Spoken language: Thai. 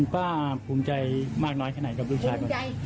คุณกล้าภูมิใจมากน้อยขนาดไหนกับผู้ชาย